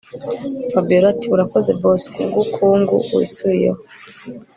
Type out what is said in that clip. Fabiora atiurakoze boss kubwukungu wisubiyeho